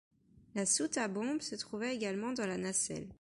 La soute à bombes se trouvait également dans la nacelle.